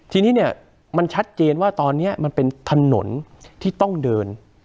ทีนี้เนี่ยมันชัดเจนว่าตอนนี้มันเป็นถนนที่ต้องเดิน